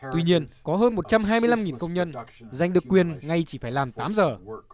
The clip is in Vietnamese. tuy nhiên có hơn một trăm hai mươi năm công nhân giành được quyền ngay chỉ phải làm tám giờ